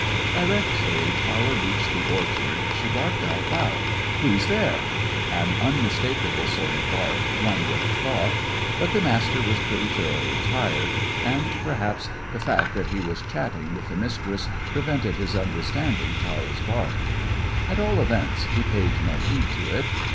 Directly Tara reached the orchard she barked out loud, "Who's there?" an unmistakable sort of bark one would have thought. But the Master was pretty thoroughly tired, and, perhaps, the fact that he was chatting with the Mistress prevented his understanding Tara's bark. At all events, he paid no heed to it.